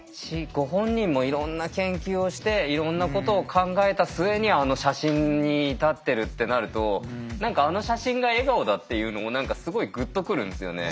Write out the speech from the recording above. ご本人もいろんな研究をしていろんなことを考えた末にあの写真に至ってるってなると何かあの写真が笑顔だっていうのも何かすごいグッと来るんですよね。